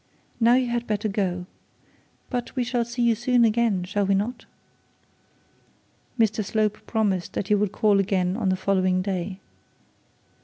Now you had better go. But we shall see you soon again, shall we not?' Mr Slope promised that he would call again on the following day.